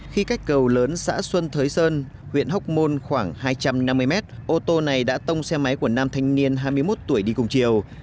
khi cách cầu lớn xã xuân thới sơn huyện hóc môn khoảng hai trăm năm mươi mét ô tô này đã tông xe máy của nam thanh niên hai mươi một tuổi đi cùng chiều